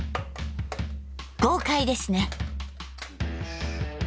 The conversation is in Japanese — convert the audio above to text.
豪快ですね。